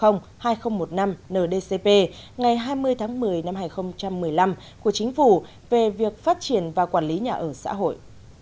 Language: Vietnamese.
nưc ngày hai mươi tháng một mươi năm hai nghìn một mươi năm của chính phủ về việc phát triển và quản lý nhà ở xã hội